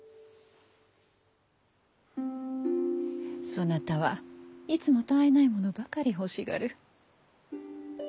そなたはいつもたあいないものばかり欲しがる。